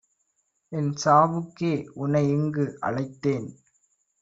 என்சாவுக்கே உனை இங்கு அழைத்தேன்!